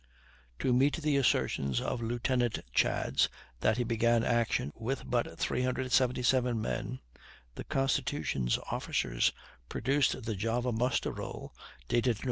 To meet the assertions of Lieutenant Chads that he began action with but 377 men, the Constitution's officers produced the Java's muster roll, dated Nov.